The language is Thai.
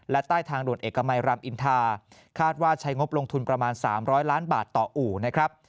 และใต้ทางด่วนเอกมัยรามอินทาคาดว่าใช้งบลงทุนประมาณ๓๐๐ล้านบาทต่ออู่นะครับ